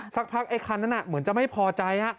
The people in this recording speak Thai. สักพักไอ้คันนั้นเหมือนจะไม่พอใจ